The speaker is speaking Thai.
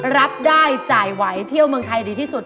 รับได้จ่ายไหวเที่ยวเมืองไทยดีที่สุด